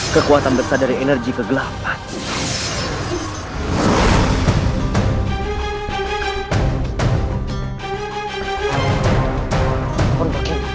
kekuatan bersadar energi kegelapan